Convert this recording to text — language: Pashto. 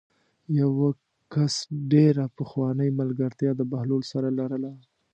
یوه کس ډېره پخوانۍ ملګرتیا د بهلول سره لرله.